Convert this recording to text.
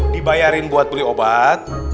dibayarin buat beli obat